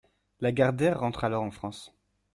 Lagardère rentre alors en France.